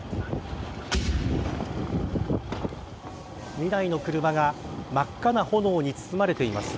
２台の車が真っ赤な炎に包まれています。